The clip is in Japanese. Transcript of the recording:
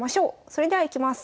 それではいきます。